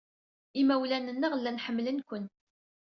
Imawlan-nneɣ llan ḥemmlen-ken.